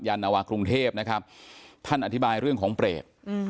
นาวากรุงเทพนะครับท่านอธิบายเรื่องของเปรตอืม